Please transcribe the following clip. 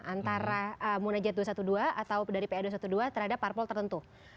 antara munajat dua ratus dua belas atau dari pa dua ratus dua belas terhadap parpol tertentu